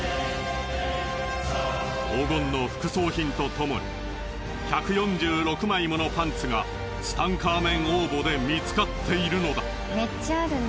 黄金の副葬品とともに１４６枚ものパンツがツタンカーメン王墓で見つかっているのだ。